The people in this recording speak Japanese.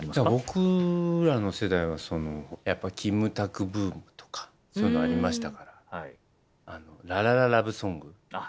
僕らの世代はやっぱキムタクブームとかそういうのありましたから「ＬＡ・ＬＡ・ＬＡＬＯＶＥＳＯＮＧ」